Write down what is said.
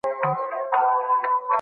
په کور کې د درس لپاره ځانګړی لباس.